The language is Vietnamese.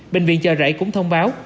bệnh viện chờ rảy cũng thông báo